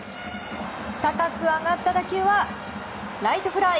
高く上がった打球はライトフライ。